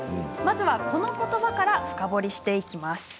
まずは、このことばから深掘りしていきます。